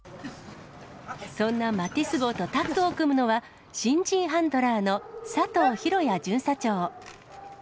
そんなマティス号とタッグを組むのは、新人ハンドラーの佐藤宏也巡査長。